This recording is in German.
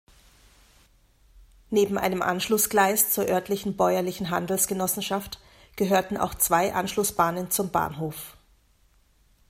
Neben einem Anschlussgleis zur örtlichen Bäuerlichen Handelsgenossenschaft gehörten auch zwei Anschlussbahnen zum Bahnhof.